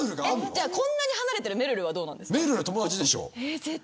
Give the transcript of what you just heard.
じゃあこんなに離れてるめるるはどうなんですか？